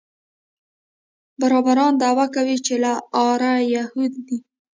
بربران دعوه کوي چې له آره یهود دي.